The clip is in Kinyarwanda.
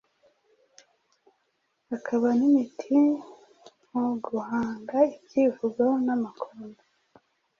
akaba nintiti mu guhanga ibyivugo namakombe